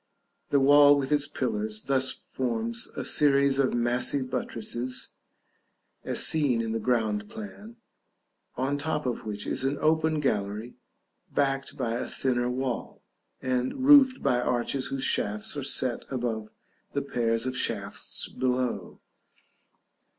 The wall with its pillars thus forms a series of massy buttresses (as seen in the ground plan), on the top of which is an open gallery, backed by a thinner wall, and roofed by arches whose shafts are set above the pairs of shafts below.